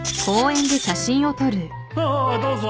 ああどうぞ